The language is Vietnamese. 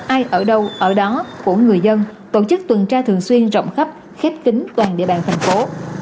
ai ở đâu ở đó của người dân tổ chức tuần tra thường xuyên rộng khắp khép kính toàn địa bàn thành phố